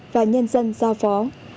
và nhân dân giao phó